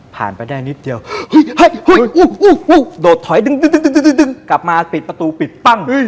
ไปได้นิดเดียวโดดถอยดึงกลับมาปิดประตูปิดปั้ง